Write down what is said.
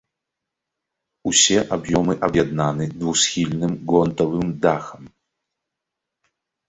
Усе аб'ёмы аб'яднаны двухсхільным гонтавым дахам.